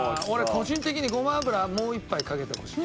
個人的にごま油もう一杯かけてほしい。